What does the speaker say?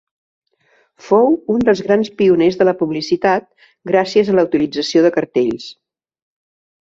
Fou un dels grans pioners de la publicitat, gràcies a la utilització de cartells.